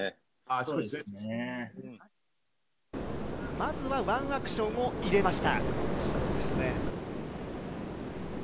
まずはワンアクションを入れました。